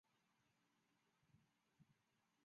张深切与苏芗雨甚至参加武装反日。